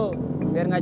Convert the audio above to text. gak ada yang ngerti